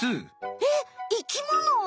えっ生きもの？